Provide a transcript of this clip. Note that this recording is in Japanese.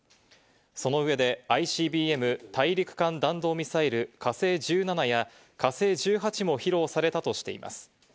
その上で、ＩＣＢＭ＝大陸間弾道ミサイル「火星１７」や「火星１８」も披露されたとしています。